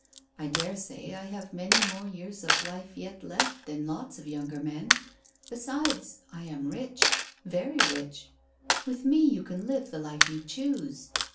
I dare say I have many more years of life yet left than lots of younger men. Besides, I am rich very rich. With me you can live the life you choose.